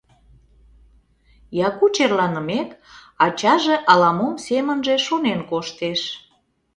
Яку черланымек, ачаже ала-мом семынже шонен коштеш.